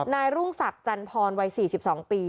นายรุ่งศักดิ์จันทร์พรวัย๔๒ปี